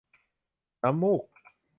น้ำมูก